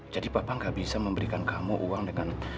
jadi papa gak bisa memberikan kamu uang dengan